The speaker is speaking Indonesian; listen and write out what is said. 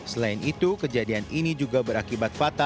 selain itu kejadian ini juga berakibat fatal